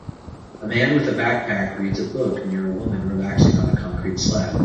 A man with a backpack reads a book near a woman relaxing on a concrete slab.